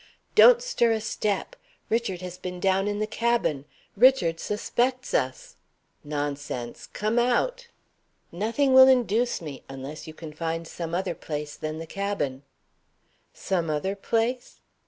"Don't stir a step! Richard has been down in the cabin! Richard suspects us!" "Nonsense! Come out." "Nothing will induce me, unless you can find some other place than the cabin." Some other place?